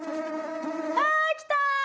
あ来た！